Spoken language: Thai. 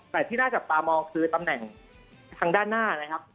แต่ที่น่าจับตามองคือตำแหน่งทางด้านหน้านะครับ